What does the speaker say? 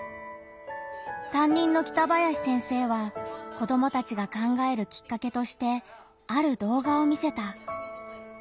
担任の北林先生は子どもたちが考えるきっかけとしてある動画を見せた。